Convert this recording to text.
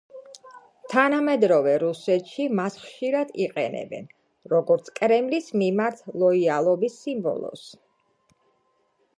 თანამედროვე რუსეთში მას ხშირად იყენებენ, როგორც კრემლის მიმართ ლოიალობის სიმბოლოს.